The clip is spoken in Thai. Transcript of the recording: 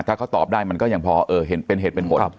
ถ้าเขาตอบได้มันก็ยังพอเป็นเหตุเป็นผล